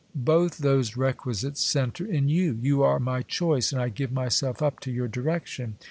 Both those requisites centre in you : you are my choice, and I give myself up to your direction.